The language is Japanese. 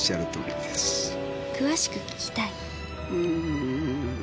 詳しく聞きたい。